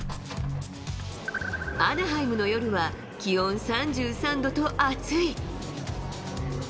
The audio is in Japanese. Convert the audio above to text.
アナハイムの夜は、気温３３度と暑い。